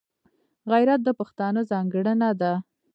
غیرت د پښتانه ځانګړنه ده